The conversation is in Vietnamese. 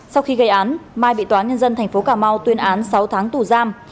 sau khi gây án mai bị tòa nhân dân tp cà mau tuyên án sáu tháng tù giam